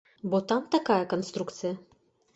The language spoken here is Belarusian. Бо там такая канструкцыя.